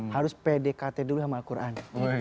harus pede kate dulu sama quran